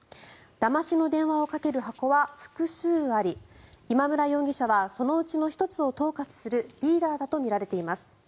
だましの電話をかけるハコは複数あり今村容疑者はそのうちの１つを統括するリーダーだとみられています。